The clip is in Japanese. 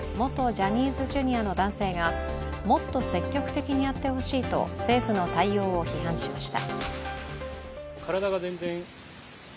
ジャニーズＪｒ．の男性がもっと積極的にやってほしいと、政府の対応を批判しました。